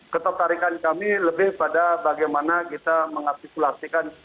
ketertarikan kami lebih pada bagaimana kita mengartikulasikan